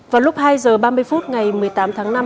vào lúc hai h ba mươi phút ngày một mươi tám tháng năm